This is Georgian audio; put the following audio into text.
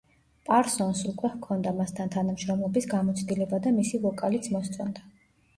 პარსონსს უკვე ჰქონდა მასთან თანამშრომლობის გამოცდილება და მისი ვოკალიც მოსწონდა.